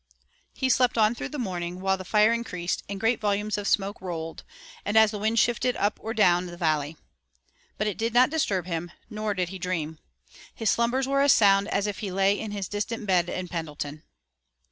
He slept on through the morning while the fire increased, and great volumes of smoke rolled, as the wind shifted up or down the valley. But it did not disturb him, nor did he dream. His slumbers were as sound as if he lay in his distant bed in Pendleton.